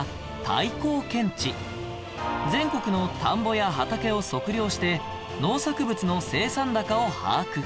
全国の田んぼや畑を測量して農作物の生産高を把握